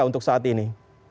untuk saat ini